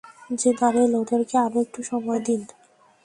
General, ওদেরকে আরো একটু সময় দিন।